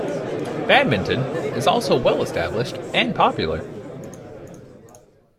Badminton is also well established and popular.